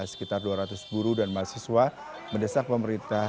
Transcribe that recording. sekitar dua ratus buruh dan mahasiswa mendesak pemerintah